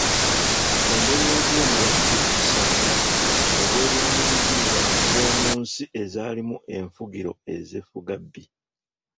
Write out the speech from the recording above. Endowooza eno yabugujjisanga obwerwanirizi mu bantu b’omu nsi ezaalimu enfugiro ez’effugabbi.